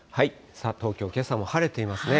東京、けさも晴れていますね。